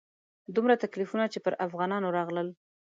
دومره تکلیفونه چې پر افغانانو راغلل.